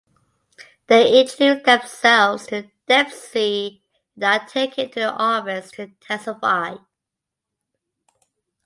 They introduce themselves to Dempsey and are taken to the office to testify.